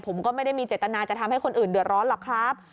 ผมก็ไม่ได้มีเจตนาจะทำให้คนอื่นเดือดร้อนหรอกครับ